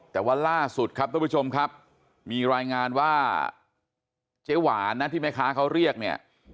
แต่ว่าล่าสุดครับทุกผู้ชมครับมีรายงานว่าเจ๊หวานนะที่แม่ค้าเขาเรียกเนี่ย